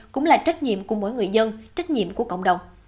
cũng là trách nhiệm của mỗi người dân trách nhiệm của cộng đồng